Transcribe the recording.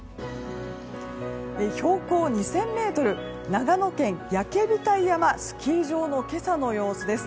標高２０００ｍ長野県焼額山スキー場の今朝の様子です。